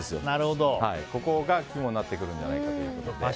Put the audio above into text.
ここが肝になってくるんじゃないかということで。